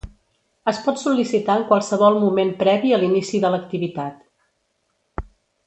Es pot sol·licitar en qualsevol moment previ a l'inici de l'activitat.